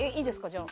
じゃあ。